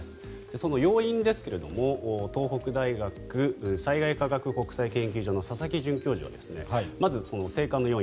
その要因ですが東北大学災害科学国際研究所の佐々木准教授はまず、生還の要因